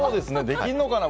できるのかな